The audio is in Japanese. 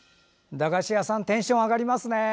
駄菓子屋さんテンション上がりますね。